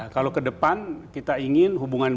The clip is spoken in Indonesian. kalau ke depan kita ingin hubungan